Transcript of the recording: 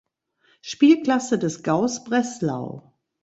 Spielklasse des Gaus Breslau.